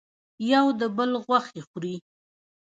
یو د بل غوښې خوري.